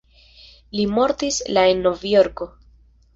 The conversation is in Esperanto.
Li mortis la en Novjorko.